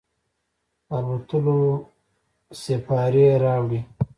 د الوتلو سیپارې راوړي